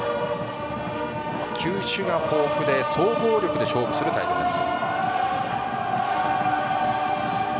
球種が豊富で総合力で勝負するタイプです。